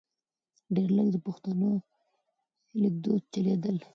ډېر لږ د پښتو لیکدود چلیدل .